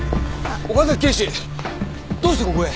岡崎警視どうしてここへ？